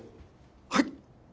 はい。